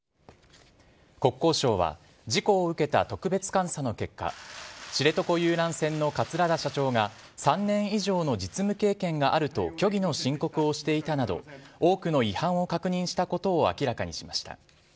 国交省は事故を受けた特別監査の結果、知床遊覧船の桂田社長が３年以上の実務経験があると虚偽の申告をしていたなど、多くの違反を確認したことを明らかにしました。